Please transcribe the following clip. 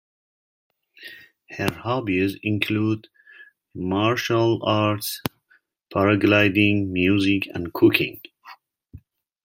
Her hobbies include martial arts, paragliding, music, and cooking.